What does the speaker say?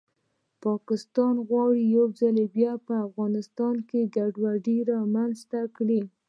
پاکستان غواړي یو ځل بیا په افغانستان کې ګډوډي رامنځته کړي